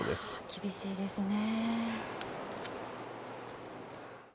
厳しいですね。